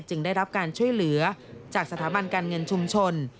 ได้รับการช่วยเหลือจากสถาบันการเงินชุมชน